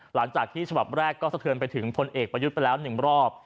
หลังจากที่ฉบับแรกก็สะเทือนไปถึงพลเอกประยุทธ์ไปแล้ว๑รอบ